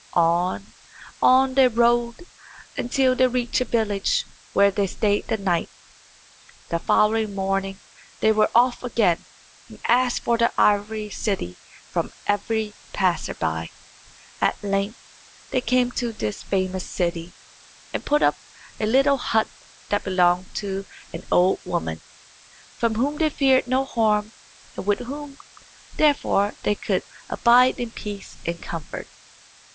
On, on they rode, until they reached a village where they stayed the night. The following morning they were off again, and asked for Ivory City from every passer by. At length they came to this famous city, and put up at a little hut that belonged to an old woman, from whom they feared no harm, and with whom, therefore, they could abide in peace and comfort.